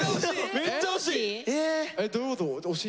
めっちゃ惜しい。